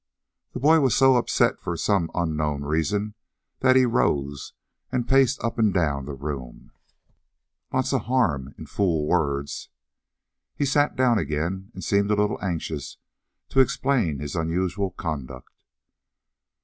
The boy was so upset for some unknown reason that he rose and paced up and down the room. "Lots of harm in fool words." He sat down again, and seemed a little anxious to explain his unusual conduct.